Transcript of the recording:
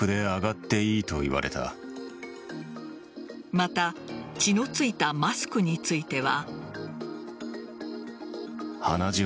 また血のついたマスクについては。